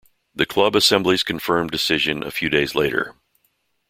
The club assemblies confirmed decision a few days later.